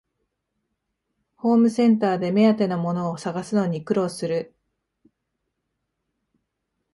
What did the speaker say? ホームセンターで目当てのものを探すのに苦労する